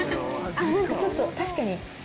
何かちょっと確かに。